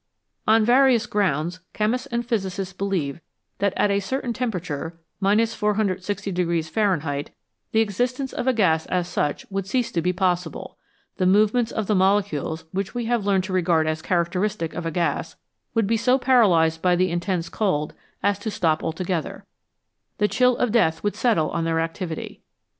11 On various grounds, chemists and physicists believe that at a certain tempera ture, 460 Fahrenheit, the existence of a gas as such would cease to be possible ; the movements of the mole cules, which we have learned to regard as characteristic of a gas, would be so paralysed by the intense cold as to stop altogether; the chill of death would settle on their activity.